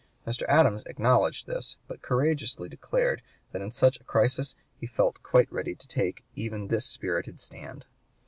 Mr. Adams acknowledged this, but courageously declared that in such a crisis he felt quite ready to take even this spirited stand.